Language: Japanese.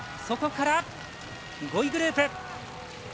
そこから５位グループ。